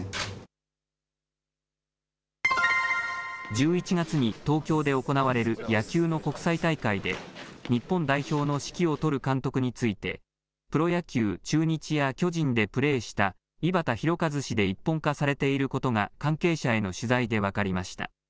１１月に東京で行われる野球の国際大会で、日本代表の指揮を執る監督について、プロ野球・中日や巨人でプレーした井端弘和氏で一本化されていることが関係者への取材で分かりました。